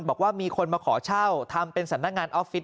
บอกว่ามีคนมาขอเช่าทำเป็นสำนักงานออฟฟิศ